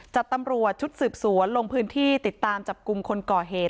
ตำรวจชุดสืบสวนลงพื้นที่ติดตามจับกลุ่มคนก่อเหตุ